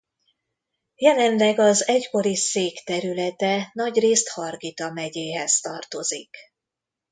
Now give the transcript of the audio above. Jelenleg az egykori szék területe nagyrészt Hargita megyéhez tartozik.